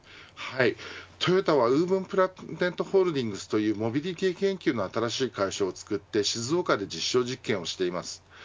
トヨタはウーブンプラネットホールディングスというモビリティ研究の新しい会社を作って静岡で実証実験をしています。